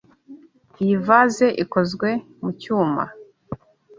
Iyi vase ikozwe mucyuma.